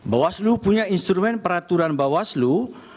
bawaslu punya instrumen peraturan bawaslu